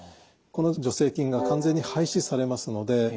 この助成金が完全に廃止されますので。